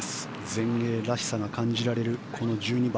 全英らしさが感じられるこの１２番。